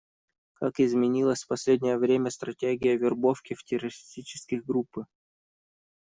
Как изменилась в последнее время стратегия вербовки в террористические группы?